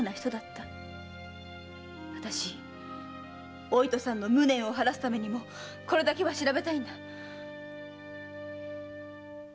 私お糸さんの無念を晴らすためにこれだけは調べたいんだ。